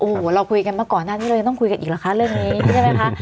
โอ้โหเราคุยกันมาก่อนหน้านี้เรายังต้องคุยกันอีกเหรอคะเรื่องนี้ใช่ไหมคะ